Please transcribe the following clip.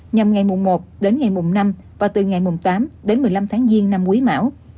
nhằm ngày mùng một đến ngày mùng năm và từ ngày mùng tám đến một mươi năm tháng giêng năm quý mão